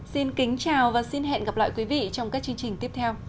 xin kính chào và xin hẹn gặp lại quý vị trong các chương trình tiếp theo